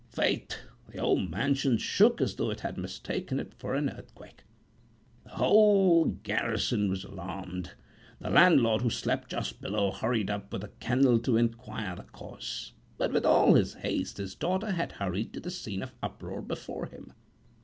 Faith, the old mansion shook as though it had mistaken it for an earthquake. The whole garrison was alarmed. The landlord, who slept just below, hurried up with a candle to inquire the cause, but with all his haste his daughter had hurried to the scene of uproar before him.